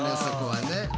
そこはね。